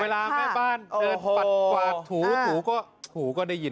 เวลาแม่บ้านเดินปัดกวาดถูก็ถูก็ได้ยิน